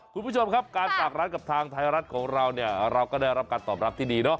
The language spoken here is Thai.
คุณผู้ชมครับการฝากร้านกับทางไทยรัฐของเราเนี่ยเราก็ได้รับการตอบรับที่ดีเนาะ